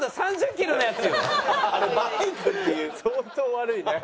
相当悪いね。